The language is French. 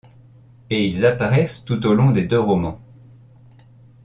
Et ils apparaissent tout au long des deux romans.